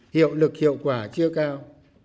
hiệu lực hiệu quả chưa cao